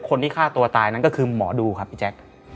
คนที่ฆ่าตัวตายนั้นก็คือหมอดูครับพี่แจ๊ค